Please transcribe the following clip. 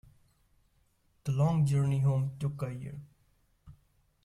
The long journey home took a year.